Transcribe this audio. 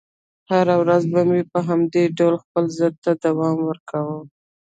هره ورځ به مې په همدې ډول خپل ضد ته دوام ورکاوه.